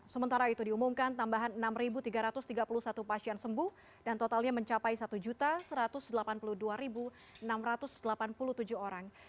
sementara itu diumumkan tambahan enam tiga ratus tiga puluh satu pasien sembuh dan totalnya mencapai satu satu ratus delapan puluh dua enam ratus delapan puluh tujuh orang